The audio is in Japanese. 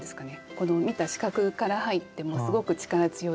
この見た視覚から入ってもすごく力強いし。